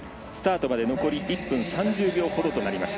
スタートまで残り１分３０秒ほどとなりました。